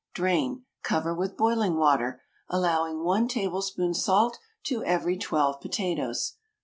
Drain; cover with boiling water, allowing 1 tablespoon salt to every twelve potatoes.